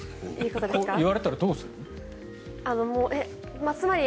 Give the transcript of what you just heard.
こう言われたらどうする？